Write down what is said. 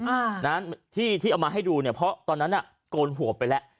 อ่านะที่ที่เอามาให้ดูเนี่ยเพราะตอนนั้นอ่ะโกนหัวไปแล้ว